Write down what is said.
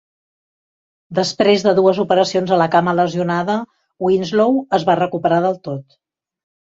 Després de dues operacions a la cama lesionada, Winslow es va recuperar del tot.